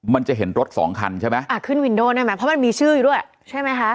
มันจะเห็นรถสองคันใช่ไหมอ่าขึ้นวินโดได้ไหมเพราะมันมีชื่ออยู่ด้วยใช่ไหมคะ